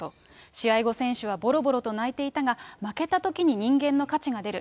試合後、選手はぼろぼろと泣いていたが、負けたときに人間の価値が出る。